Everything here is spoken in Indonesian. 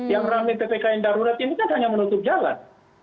yang ramai ppkn darurat ini kan hanya menutup jalan